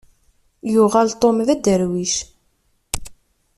Yuɣal Tom d aderwic.